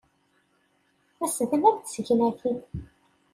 Mesden am tsegnatin.